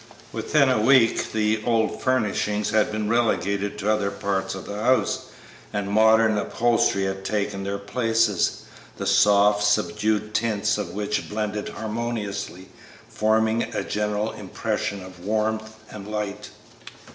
Within a week the old furnishings had been relegated to other parts of the house and modern upholstery had taken their places, the soft subdued tints of which blended harmoniously, forming a general impression of warmth and light.